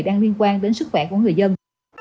đang liên quan đến sức khỏe của người dân